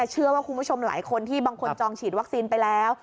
เชื่อว่าคุณผู้ชมหลายคนที่บางคนจองฉีดวัคซีนไปแล้ว